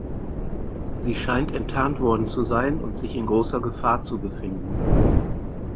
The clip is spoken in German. Sie scheint enttarnt worden zu sein und sich in großer Gefahr zu befinden.